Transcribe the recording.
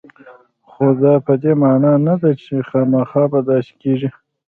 خو دا په دې معنا نه ده چې خامخا به داسې کېږي